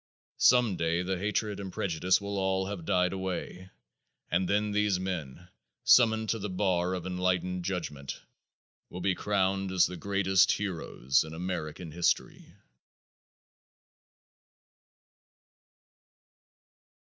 Some day the hatred and prejudice will all have died away and then these men, summoned to the bar of enlightened judgment, will be crowned as the greatest heroes in American history.